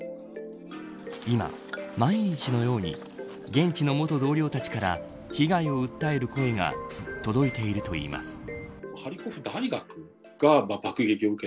今、毎日のように現地の元同僚たちから被害を訴える声が届いているといいます。